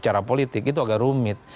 secara politik itu agak rumit